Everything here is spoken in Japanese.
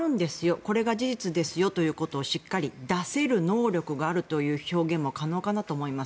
これが事実ですよということをしっかり出せる能力があるという表現も可能かなと思います。